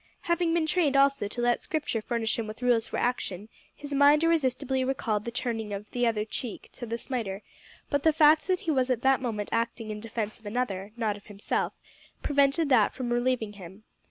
Having been trained, also, to let Scripture furnish him with rules for action, his mind irresistibly recalled the turning of the "other cheek" to the smiter, but the fact that he was at that moment acting in defence of another, not of himself, prevented that from relieving him.